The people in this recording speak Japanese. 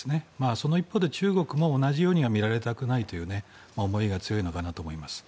その一方で中国も同じようには見られたくない思いが強いのかなと思います。